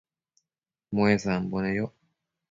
muesambo neyoc